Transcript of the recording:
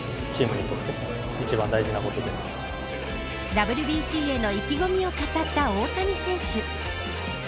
ＷＢＣへの意気込みを語った大谷選手。